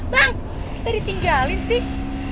bagaimana kita ditinggalin sih